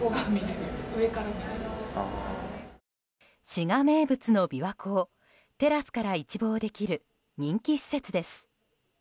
滋賀名物の琵琶湖をテラスから一望できる人気施設です。